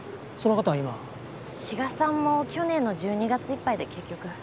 志賀さんも去年の１２月いっぱいで結局。